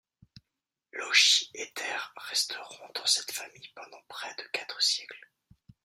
Logis et terres resteront dans cette famille pendant près de quatre siècles.